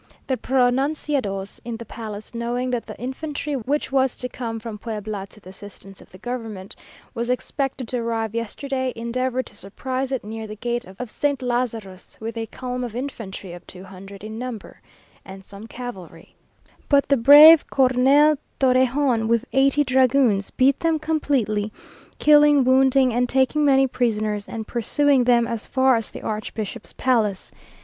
"The pronunciados in the palace, knowing that the infantry which was to come from Puebla to the assistance of the government, was expected to arrive yesterday, endeavoured to surprise it near the gate of Saint Lazarus, with a column of infantry of two hundred in number, and some cavalry; but the brave Colonel Torrejon, with eighty dragoons, beat them completely, killing, wounding, and taking many prisoners, and pursuing them as far as the archbishop's palace.